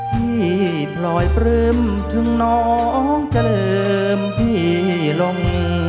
พี่ปล่อยปลื้มถึงน้องจะลืมพี่ลง